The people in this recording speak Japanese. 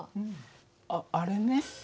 あっあれね。